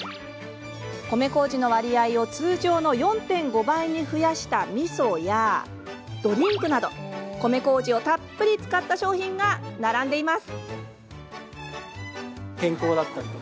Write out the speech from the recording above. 米こうじの割合を通常の４．５倍に増やしたみそやドリンクなど米こうじをたっぷり使った商品が並んでいます。